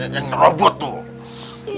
yang robot tuh